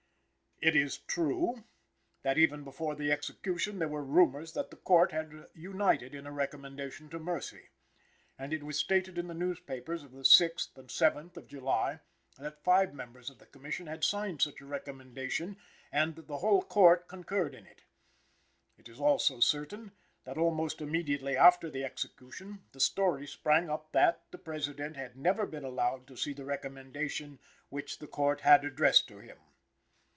It is true, that even before the execution there were rumors that the Court had united in a recommendation to mercy, and it was stated in the newspapers of the 6th and 7th of July that five members of the Commission had signed such a recommendation and the whole Court concurred in it. It is also certain, that almost immediately after the execution the story sprang up that the President had never been allowed to see the recommendation which the Court had addressed to him.